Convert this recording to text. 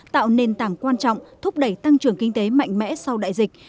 tạo nền tảng quan trọng thúc đẩy tăng trưởng kinh tế mạnh mẽ sau đại dịch